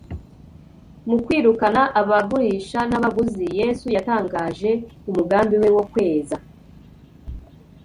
Mu kwirukana abagurisha n'abaguzi, Yesu yatangaje umugambi we wo kweza